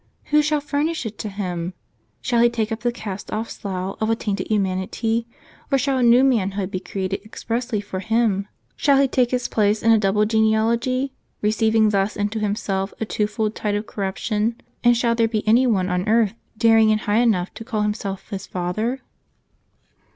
Who shall furnish it to Him ? Shall He take up the cast off slough of a tainted humanity, or shall a new manhood be created expressly for Himif Shall He take His place in a double genealogy, receiving thus into Himself a twofold tide of corruption ; and shall there be any one on earth daring and high enough to call himself His father?"